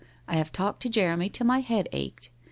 I have talked to Jeremy till my head ached.